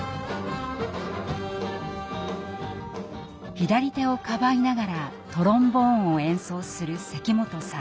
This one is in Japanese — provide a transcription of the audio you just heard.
左手をかばいながらトロンボーンを演奏する関本さん。